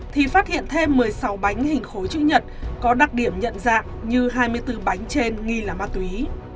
thì phát hiện thêm một mươi sáu bánh hình khối chữ nhật có đặc điểm nhận dạng như hai mươi bốn bánh trên nghi là ma túy